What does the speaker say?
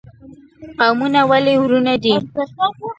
قومونه ولې ورونه دي؟